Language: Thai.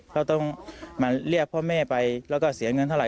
เขาต้องมาเรียกพ่อแม่ไปแล้วก็เสียเงินเท่าไ